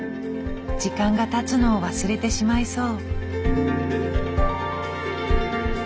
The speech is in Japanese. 時間がたつのを忘れてしまいそう。